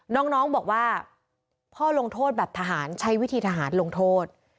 น้องบอกว่าพ่อลงโทษแบบทหารใช้วิธีทหารลงโทษ